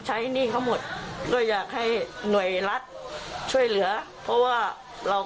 พี่ดูแลคนเดียวหรือเปล่า